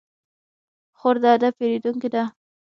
خور د ادب پېرودونکې ده.